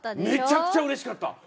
めちゃくちゃうれしかった。